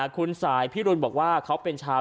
คุณสายพิรุณบอกว่าเขาเป็นชาว